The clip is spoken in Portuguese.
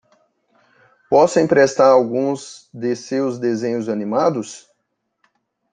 Posso emprestar alguns de seus desenhos animados?